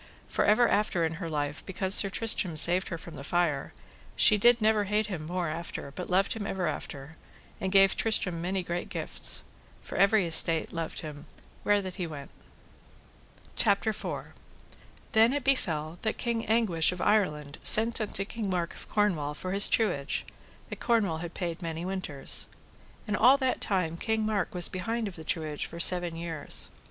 For ever after in her life, because Sir Tristram saved her from the fire, she did never hate him more after, but loved him ever after, and gave Tristram many great gifts; for every estate loved him, where that he went. CHAPTER IV. How Sir Marhaus came out of Ireland for to ask truage of Cornwall, or else he would fight therefore. Then it befell that King Anguish of Ireland sent unto King Mark of Cornwall for his truage, that Cornwall had paid many winters. And all that time King Mark was behind of the truage for seven years.